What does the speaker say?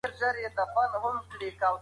د بازار له بدلونونو سره ځان سم کړه.